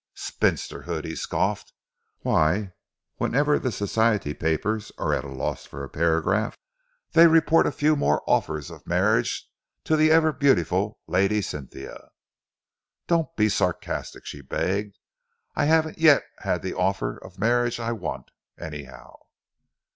"Spinsterhood!" he scoffed. "Why, whenever the Society papers are at a loss for a paragraph, they report a few more offers of marriage to the ever beautiful Lady Cynthia." "Don't be sarcastic," she begged. "I haven't yet had the offer of marriage I want, anyhow."